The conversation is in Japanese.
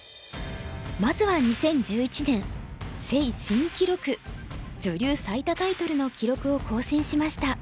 まずは２０１１年謝新記録女流最多タイトルの記録を更新しました。